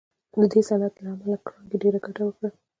د دې صنعت له امله کارنګي ډېره ګټه وکړه